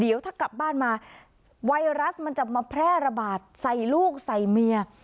เดี๋ยวถ้ากลับบ้านมาไวรัสมันจะมาแพร่ระบาดใส่ลูกใส่เมีย